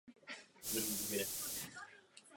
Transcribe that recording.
Konstrukce úprav se držela v souladu s původními plány.